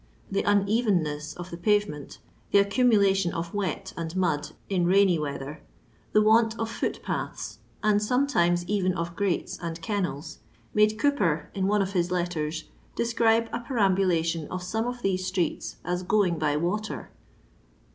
The unevenness of the pavement, the accumulation of wet and mud in rainy weather, the want of foot paths, and sometimes even of grates and kennels, made Cowper, in one of his letters, describe a perambulation of some of these streets as " going by water."